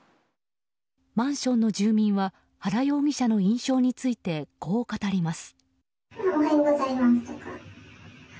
マンションの住民は原容疑者の印象についてこう語ります。